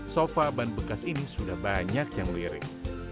sofa ban bekas ini sudah banyak yang lirik